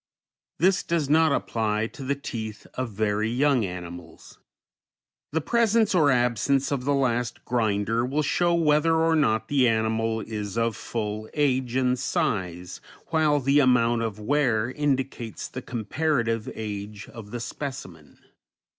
This does not apply to the teeth of very young animals. The presence or absence of the last grinder will show whether or not the animal is of full age and size, while the amount of wear indicates the comparative age of the specimen.